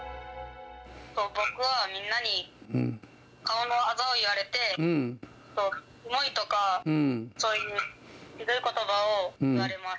僕はみんなに顔のあざを言われて、きもいとか、そういうひどいことばを言われます。